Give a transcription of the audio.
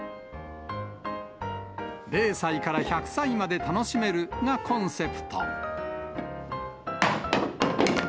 ０歳から１００歳まで楽しめるがコンセプト。